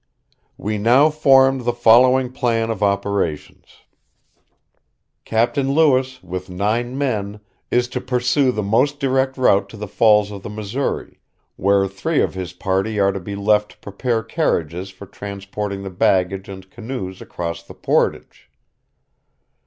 "We now formed the following plan of operations: Captain Lewis, with nine men, is to pursue the most direct route to the Falls of the Missouri, where three of his party are to be left to prepare carriages for transporting the baggage and canoes across the portage.